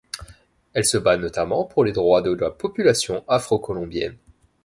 Elle se bat notamment pour les droits de la population afro-colombienne.